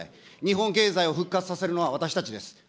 日本経済を復活させるのは私たちです。